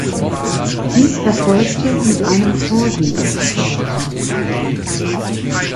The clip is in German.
Dies erfolgte mit einem Vorwiderstand.